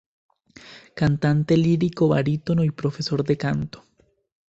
Cantante lírico barítono y profesor de canto.